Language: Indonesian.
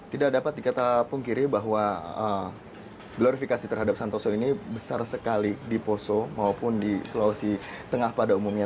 tidak dapat dikatakan pungkiri bahwa glorifikasi terhadap santoso ini besar sekali di poso maupun di sulawesi tengah pada umumnya